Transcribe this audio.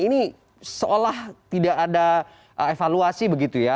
ini seolah tidak ada evaluasi begitu ya